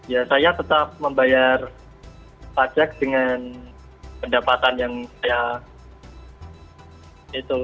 ya saya tetap membayar pajak dengan pendapatan yang saya